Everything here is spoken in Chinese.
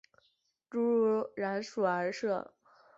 侏儒蚺属而设。